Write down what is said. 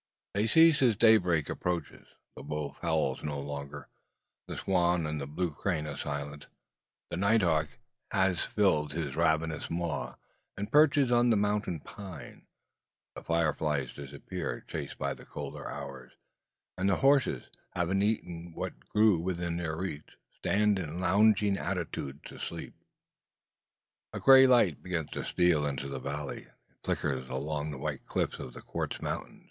They cease as daybreak approaches. The wolf howls no longer; the swan and the blue crane are silent; the night hawk has filled his ravenous maw, and perches on the mountain pine; the fire flies disappear, chased by the colder hours; and the horses, having eaten what grew within their reach, stand in lounging attitudes, asleep. A grey light begins to steal into the valley. It flickers along the white cliffs of the quartz mountain.